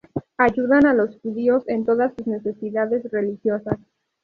Ayudan a los judíos en todas sus necesidades religiosas.